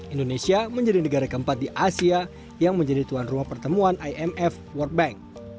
indonesia menjadi negara keempat di asia yang menjadi tuan rumah pertemuan imf world bank